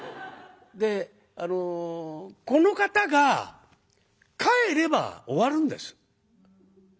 であのこの方が帰れば終わるんです。